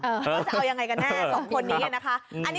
ว่าจะเอายังไงกันแน่สองคนนี้นะคะ